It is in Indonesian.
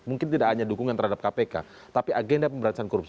mungkin tidak hanya dukungan terhadap kpk tapi agenda pemberantasan korupsi